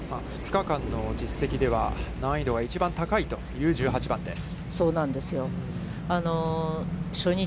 ２日間の実績では、難易度は一番高いという１８番です。